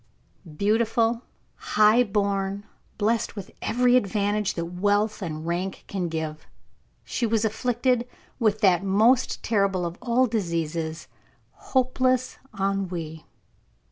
Beautiful, high born, blessed with every advantage that wealth and rank can give, she was afflicted with that most terrible of all diseases, hopeless ennui.